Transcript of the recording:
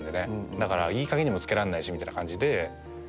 だからいいかげんにも付けらんないしみたいな感じで。